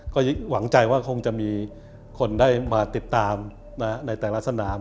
ก็หวังใจว่าคงจะมีคนได้มาติดตามในแต่ละสนาม